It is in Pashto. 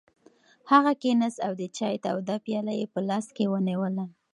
هغه کېناست او د چای توده پیاله یې په لاس کې ونیوله.